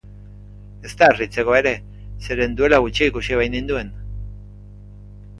Ez da harritzekoa ere, zeren duela gutxi ikusi baininduen.